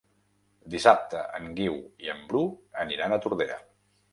Dissabte en Guiu i en Bru aniran a Tordera.